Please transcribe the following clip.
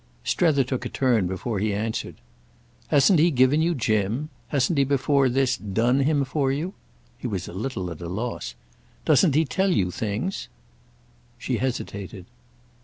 Strether took a turn before he answered. "Hasn't he given you Jim? Hasn't he before this 'done' him for you?" He was a little at a loss. "Doesn't he tell you things?" She hesitated.